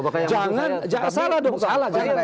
makanya jangan salah dong